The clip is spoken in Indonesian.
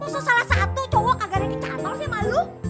masa salah satu cowok kagak lagi cantor sih sama lo